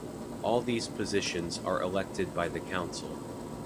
All these positions are elected by the Council.